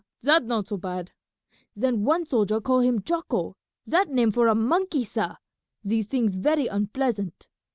That not so bad. Then one soldier call him Jocko; that name for a monkey, sah; these things very unpleasant."